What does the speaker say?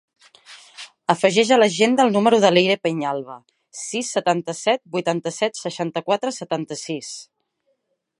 Afegeix a l'agenda el número de l'Eire Peñalba: sis, setanta-set, vuitanta-set, seixanta-quatre, setanta-sis.